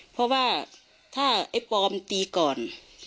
เพราะว่าถ้าไอ้ปลอมตีก่อน